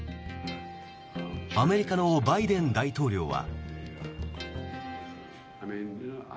アメリカのバイデン大統領は。